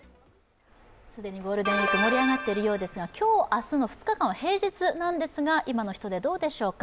既にゴールデンウイーク、盛り上がっているようですが今日、明日の２日間は平日なんですが今の人出、どうでしょうか。